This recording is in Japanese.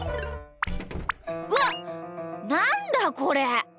うわなんだこれ！